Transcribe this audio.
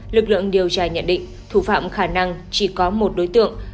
lực lượng điều tra nhận định thủ phạm khả năng chỉ có một đối tượng